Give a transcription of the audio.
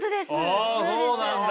あそうなんだ。